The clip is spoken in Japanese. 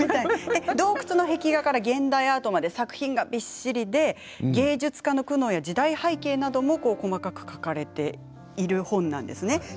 洞窟の壁画から現代アートまで作品がびっしりで芸術家の苦悩や時代背景なども細かく書かれている本なんですね。